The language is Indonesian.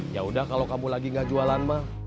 yaudah kalau kamu lagi gak jualan mah